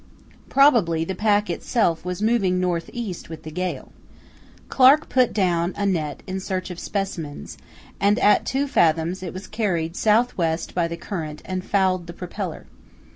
Probably the pack itself was moving north east with the gale. Clark put down a net in search of specimens, and at two fathoms it was carried south west by the current and fouled the propeller.